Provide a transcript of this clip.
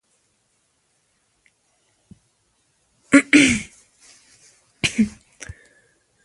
خدای بښلو پلارجان او مورجانې مې، د واده د محفل